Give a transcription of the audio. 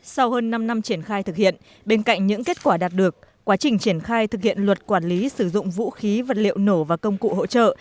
sau hơn năm năm triển khai thực hiện bên cạnh những kết quả đạt được quá trình triển khai thực hiện luật quản lý sử dụng vũ khí vật liệu nổ và công cụ hỗ trợ